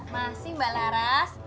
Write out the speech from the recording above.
masih mbak laras